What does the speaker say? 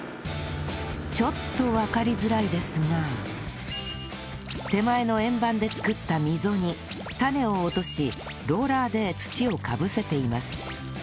ちょっとわかりづらいですが手前の円盤で作った溝に種を落としローラーで土をかぶせています